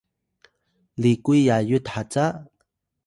likuy Yayut haca?